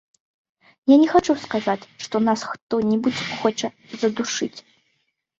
Я не хачу сказаць, што нас хто-небудзь хоча задушыць.